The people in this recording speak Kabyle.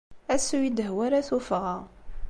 Ass-a, ur iyi-d-tehwi ara tuffɣa.